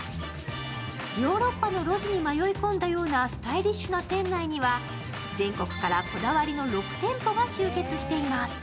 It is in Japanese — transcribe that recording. ヨーロッパの路地に迷い込んだようなスタイリッシュな店内には全国からこだわりの６店舗が集結しています。